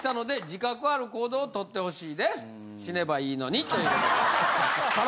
死ねばいいのにということでございます。